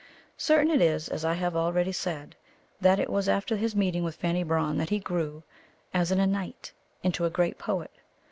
Certain it is, as I have already said, that it was after his meeting with Fanny Brawne that he grew, as in a night, into a great poet.